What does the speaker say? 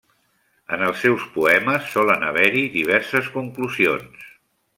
En els seus poemes solen haver-hi diverses conclusions.